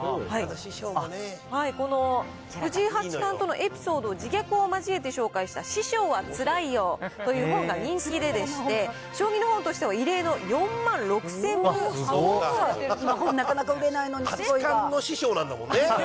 この藤井八冠とのエピソードを自虐を交えて紹介した師匠はつらいよという本が人気でして、将棋の本としては異例の４万６００なかなか売れないのにすごい師匠なんだもんね。